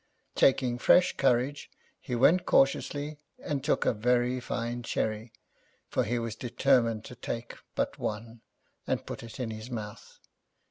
Taking fresh courage, he went cautiously and took a very fine cherry, for he was determined to take but one, and put it in his mouth.